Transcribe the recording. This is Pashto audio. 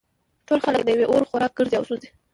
ټول خلک د یوه اور خوراک ګرځي او سوزي